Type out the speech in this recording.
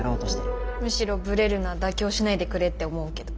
むしろブレるな妥協しないでくれって思うけど。